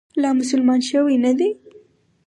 لا مسلمان شوی نه دی.